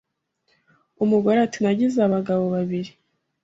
umugore ati nagize abagabo babiri